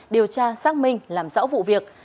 điều tra xác minh làm rõ vụ việc